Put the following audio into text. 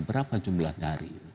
berapa jumlah nyari